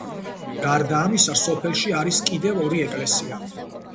გარდა ამისა სოფელში არის კიდევ ორი ეკლესია.